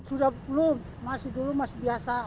sudah belum masih dulu masih biasa